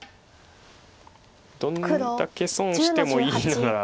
どれだけ損をしてもいいなら。